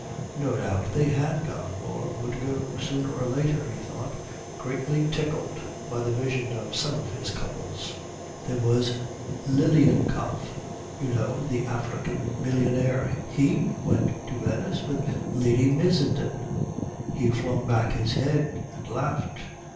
No doubt they had gone, or would go sooner or later, he thought, greatly tickled by the vision of some of his couples. "There was Lilienkopf you know, the African millionaire. He went to Venice with Lady Missenden." He flung back his head and laughed.